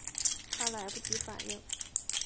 她来不及反应